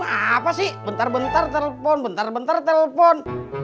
apa sih bentar bentar telepon bentar bentar telepon